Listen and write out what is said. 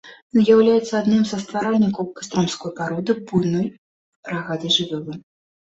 З'яўляецца адным са стваральнікаў кастрамской пароды буйной рагатай жывёлы.